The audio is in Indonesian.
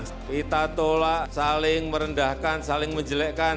kita tolak saling merendahkan saling menjelekkan